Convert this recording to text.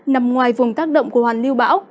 nằm ngoài vùng tác động của hoàn lưu bão